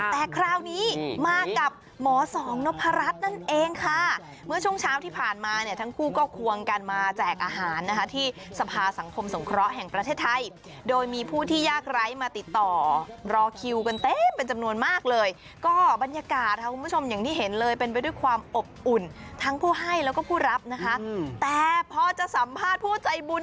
แต่คราวนี้มากับหมอสองนพรัชนั่นเองค่ะเมื่อช่วงเช้าที่ผ่านมาเนี่ยทั้งคู่ก็ควงกันมาแจกอาหารนะคะที่สภาสังคมสงเคราะห์แห่งประเทศไทยโดยมีผู้ที่ยากไร้มาติดต่อรอคิวกันเต็มเป็นจำนวนมากเลยก็บรรยากาศค่ะคุณผู้ชมอย่างที่เห็นเลยเป็นไปด้วยความอบอุ่นทั้งผู้ให้แล้วก็ผู้รับนะคะแต่พอจะสัมภาษณ์ผู้ใจบุญ